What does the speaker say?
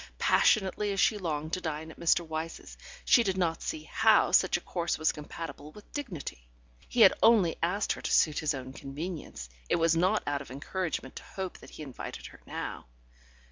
Passionately as she longed to dine at Mr. Wyse's, she did not see how such a course was compatible with dignity. He had only asked her to suit his own convenience; it was not out of encouragement to hope that he invited her now.